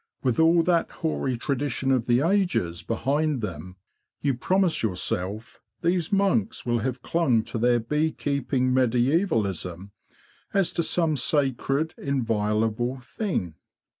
With all that hoary tradition of the ages IN THE ABBOT'S BEE GARDEN 117 behind them, you promise yourself, these monks will have clung to their bee keeping medizvalism as to some sacred, inviolable thing.